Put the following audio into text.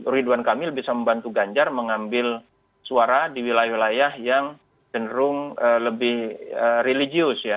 ridwan kamil bisa membantu ganjar mengambil suara di wilayah wilayah yang cenderung lebih religius ya